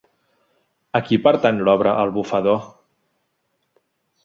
A qui pertany l'obra El bufador?